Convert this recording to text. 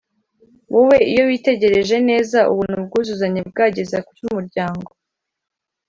Wowe iyo witegereje neza ubona ubwuzuzanye bwageza ku ki umuryango?